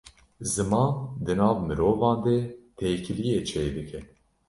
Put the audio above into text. Ziman, di nav mirovan de têkiliyê çê dike